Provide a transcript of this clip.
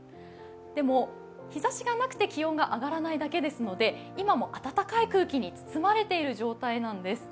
でも日ざしがなくて気温が上がらないだけですので今も暖かい空気に包まれている状態なんです。